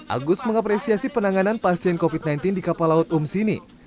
agus mengapresiasi penanganan pasien covid sembilan belas di kapal laut umsini